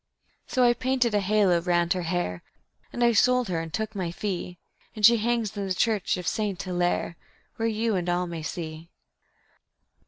So I painted a halo round her hair, And I sold her and took my fee, And she hangs in the church of Saint Hillaire, Where you and all may see.